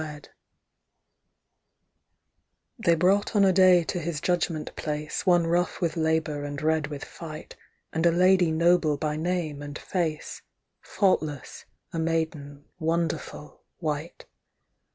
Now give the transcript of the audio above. They brought on a day to his judgment place One rough with labour and red with fight, And a lady noble by name and face, Faultless, a maiden, wonderful, white.